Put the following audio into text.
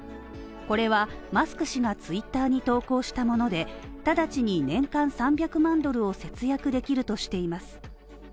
これは、マスク氏がツイッターに投稿したもので、直ちに年間３００万ドルを節約できるとしています。